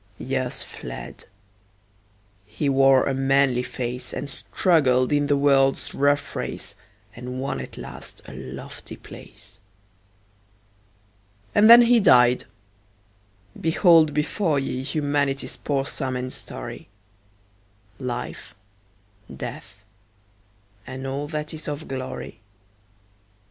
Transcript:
Years fled; he wore a manly face, And struggled in the world's rough race, And won at last a lofty place. And then he died! Behold before ye Humanity's poor sum and story; Life, Death, and all that is of glory.